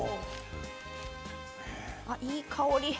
いい香り。